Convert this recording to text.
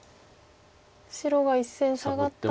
白が１線サガったら。